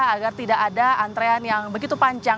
agar tidak ada antrean yang begitu panjang